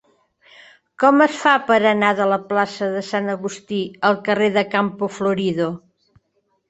Com es fa per anar de la plaça de Sant Agustí al carrer de Campo Florido?